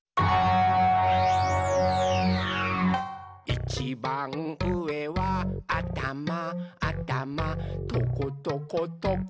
「いちばんうえはあたまあたまトコトコトコトコおでこだよ！」